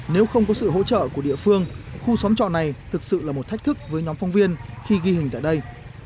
nếu không có sự hỗ trợ của địa phương khu xóm trọ này thực sự là một thách thức với nhóm phong viên khi ghi hình tại đây